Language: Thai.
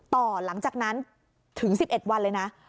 ต่อหลังจากนั้นถึง๑๑วันเลยนะ